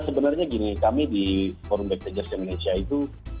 ya sebenarnya gini kami di forum backstage jersey malaysia itu